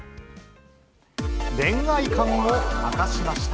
恋愛観を明かしました。